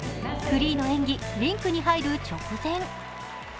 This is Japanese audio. フリーの演技、リンクに入る直前。